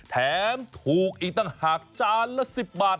แถมถูกอีกต่างหากจานละ๑๐บาท